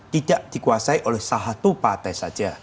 tidak dikuasai oleh satu partai saja